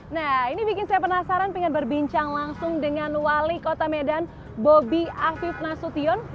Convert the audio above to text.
nah ini bikin saya penasaran pengen berbincang langsung dengan wali kota medan bobi afif nasution